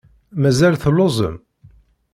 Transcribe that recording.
Mazal telluẓem?